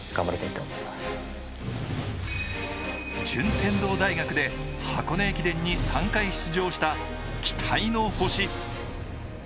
順天堂大学で箱根駅伝に３回出場した期待の星。